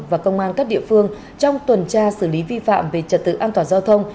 và công an các địa phương trong tuần tra xử lý vi phạm về trật tự an toàn giao thông